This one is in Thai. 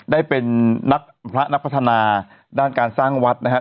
ได้เป็นนักพระนักพัฒนาด้านการสร้างวัดนะครับ